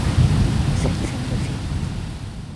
Segue sendo así?